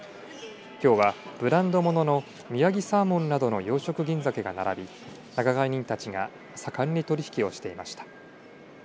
きょうは、ブランドもののみやぎサーモンなどの養殖銀ざけだけが並び仲買人たちが盛んに取り引きをしていました。